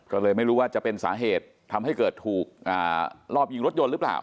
ก็เลยไม่รู้ว่าจะเป็นสาเหตุทำให้เกิดถูกลอบยิงรถยนต์หรือเปล่า